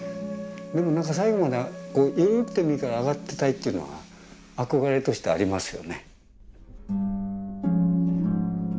でも何か最後まで緩くてもいいから上がってたいというのは憧れとしてありますよね。